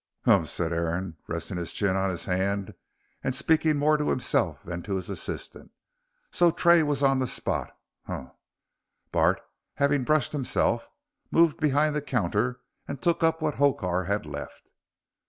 "Humph!" said Aaron, resting his chin on his hand and speaking more to himself than to his assistant, "so Tray was on the spot. Humph!" Bart, having brushed himself, moved behind the counter and took up what Hokar had left.